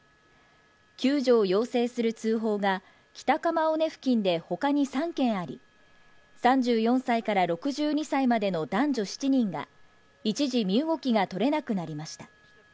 救助を要請する通報が北鎌尾根付近で他に３件あり、３４歳から６２歳までの男女７人が一時、身動きが取れなくなりました。